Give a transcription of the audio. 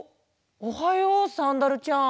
おはようサンダルちゃん。